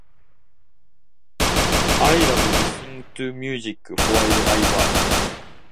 I love listening to music while I work.